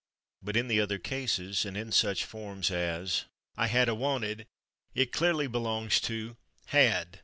But in the other cases, and in such forms as "I had '/a/ wanted," it clearly belongs to /had